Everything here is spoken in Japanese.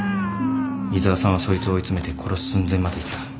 井沢さんはそいつを追い詰めて殺す寸前までいった。